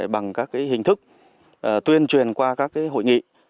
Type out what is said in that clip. bằng các hình thức tuyên truyền qua các hội nghị